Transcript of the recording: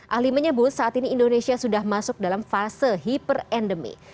ahli menyebut saat ini indonesia sudah masuk dalam fase hiperendemi